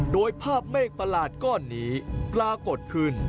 โดยภาพเมฆประหลาดก้อนนี้ปรากฏขึ้น